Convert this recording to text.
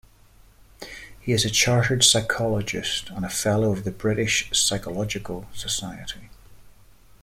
He is a Chartered Psychologist and a Fellow of the British Psychological Society.